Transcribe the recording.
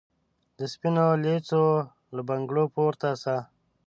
د سپینو لېڅو له بنګړو پورته سه